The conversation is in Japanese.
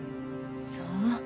そう。